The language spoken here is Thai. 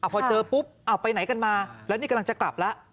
พอเจอปุ๊บเอาไปไหนกันมาแล้วนี่กำลังจะกลับแล้ว